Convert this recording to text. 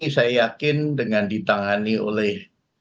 saya yakin dengan ditangani oleh